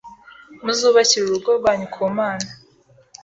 muzubakire urugo rwanyu ku Mana